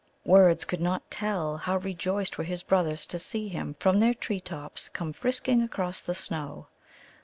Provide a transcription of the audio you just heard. Words could not tell how rejoiced were his brothers to see him from their tree tops come frisking across the snow.